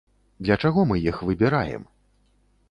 Для чаго мы іх выбіраем?